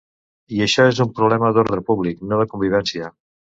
I això és un problema d’ordre públic, no de convivència.